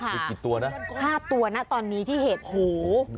มีกี่ตัวนะ๕ตัวนะตอนนี้ที่เห็นหู